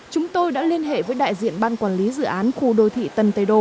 chúng tôi đã liên hệ với đại diện ban quản lý dự án khu đô thị tân tây đô